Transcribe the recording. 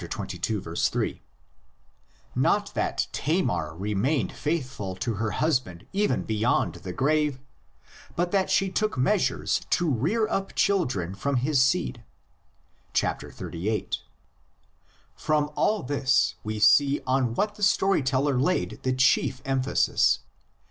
3); not that Tamar remained faithful to her husband even be yond the grave, but that she took measures to rear up children from his seed (xxxviii). From all this we see on what the story teller laid the chief emphasis.